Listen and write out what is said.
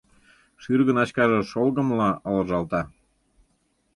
Шӱргыначкаже шолгымла ылыжалта.